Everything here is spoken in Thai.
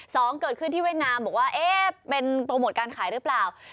เกิดขึ้นที่เวียดนามบอกว่าเอ๊ะเป็นโปรโมทการขายหรือเปล่า